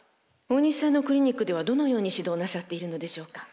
大西さんのクリニックではどのように指導なさっているのでしょうか？